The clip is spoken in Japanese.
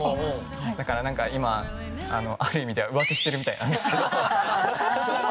だから今、ある意味では浮気してるみたいなんですけど。